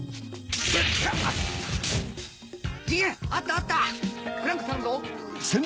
次元あったあった。